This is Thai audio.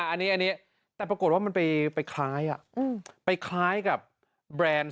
อันนี้แต่ปรากฏว่ามันไปคล้ายไปคล้ายกับแบรนด์